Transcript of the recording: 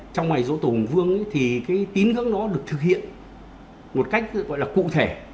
trong ngày dỗ tổ hùng vương thì cái tín ngưỡng đó được thực hiện một cách gọi là cụ thể